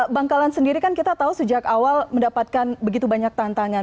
bangkalan sendiri kan kita tahu sejak awal mendapatkan begitu banyak tantangan